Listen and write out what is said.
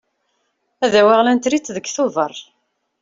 Ad awiɣ lantrit deg Tubeṛ.